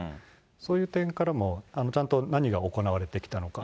そういう点からもちゃんと何が行われてきたのか。